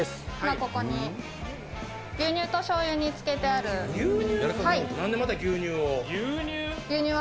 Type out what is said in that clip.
ここに、牛乳としょうゆに漬なんでまた牛乳を？